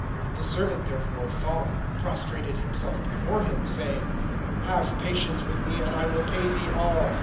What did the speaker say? (26)The servant therefore, falling, prostrated himself before him, saying: Have patience with me, and I will pay thee all.